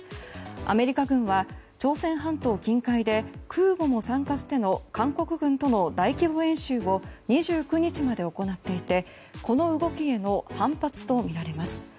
アメリカ軍は朝鮮半島近海で空母も参加しての韓国軍との大規模演習を２９日まで行っていてこの動きへの反発とみられます。